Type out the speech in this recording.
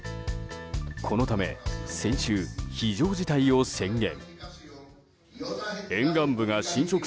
このため先週、非常事態を宣言。